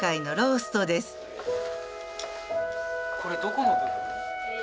これどこの部分？